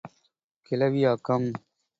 கிளவியாக்கம்